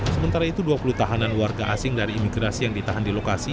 sementara itu dua puluh tahanan warga asing dari imigrasi yang ditahan di lokasi